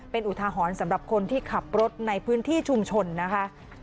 เป็นอุทาหรณ์สำหรับคนที่ขับรถในพื้นที่ชุมชนนะคะ